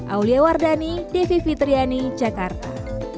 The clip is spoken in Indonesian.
aulia wardani devi fitriani jakarta